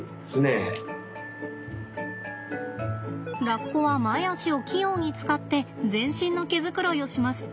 ラッコは前足を器用に使って全身の毛づくろいをします。